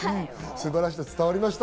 素晴らしさが伝わりました、